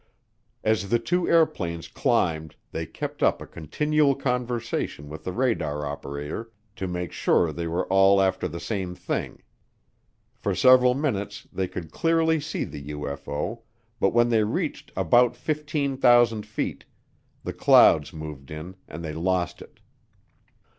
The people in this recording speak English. As the two airplanes climbed they kept up a continual conversation with the radar operator to make sure they were all after the same thing. For several minutes they could clearly see the UFO, but when they reached about 15,000 feet, the clouds moved in and they lost it.